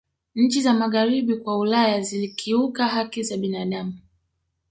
nchi za magharibi mwa ulaya zilikiuka haki za binadamu